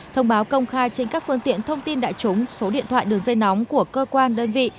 thông báo công khai trên các phương tiện thông tin đại chúng số điện thoại đường dây nóng của cơ quan đơn vị